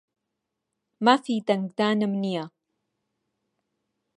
مافی دەنگدانم نییە.